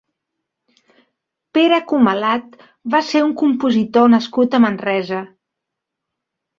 Pere Comalat va ser un compositor nascut a Manresa.